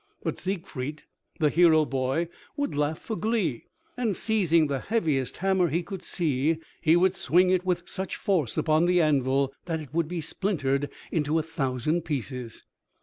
But Siegfried, the hero boy, would laugh for glee, and seizing the heaviest hammer he could see he would swing it with such force upon the anvil that it would be splintered into a thousand pieces.